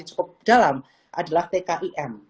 cukup dalam adalah tkim